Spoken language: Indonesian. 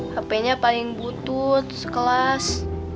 hpnya paling butut sekelas